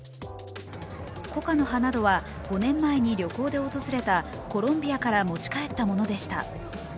コカの葉などは５年前に旅行で訪れたコロンビアから持ち帰ったものでした。